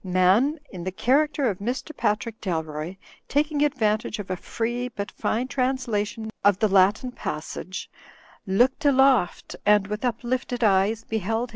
Man (in the character of Mr. Patrick Dalroy) taking advan tage of a free but fine translation of the Latin passage, "looked aloft, and with uplifted eyes beheld.